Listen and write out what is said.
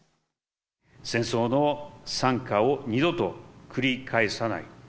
戦争の惨禍を二度と繰り返さない。